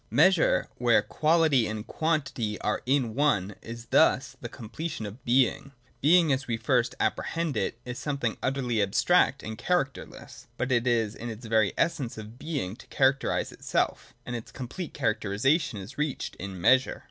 Measure, where quality and quantity are in one, is thus the completion of Being. Being, as we first apprehend it, is something utterly abstract and characterless : but it is the \ very essence of Being to characterise itself, and its complete* characterisation is reached in Measure.